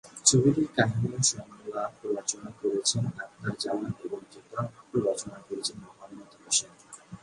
ছবিটির কাহিনি ও সংলাপ রচনা করেছেন আখতার জামান এবং চিত্রনাট্য রচনা করেছেন মোহাম্মদ হোসেন।